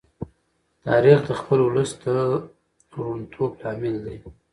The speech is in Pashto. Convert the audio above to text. تاریخ د خپل ولس د وروڼتوب لامل دی.